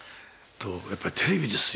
やっぱりテレビですよ。